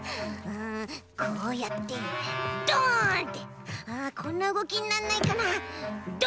こうやってドンってこんなうごきになんないかな。